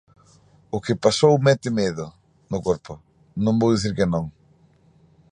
O que pasou mete medo no corpo, non vou dicir que non.